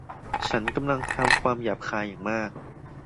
ฉันกำลังทำความหยาบคายอย่างมาก